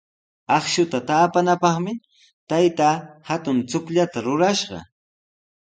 Akshuta taapanapaqmi taytaa hatun chukllata rurashqa.